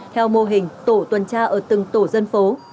theo mô hình tổ tuần tra ở từng tổ dân phố